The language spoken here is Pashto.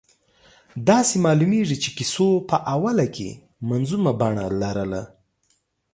داسې معلومېږي چې کیسو په اوله کې منظومه بڼه لرله.